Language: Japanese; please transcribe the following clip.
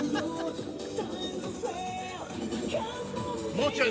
もうちょい。